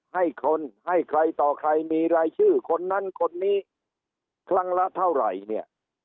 ให้คนให้ใครต่อใครมีรายชื่อคนนั้นคนนี้ครั้งละเท่าไหร่เนี่ย